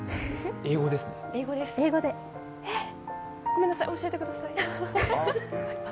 ごめんなさい、教えてください。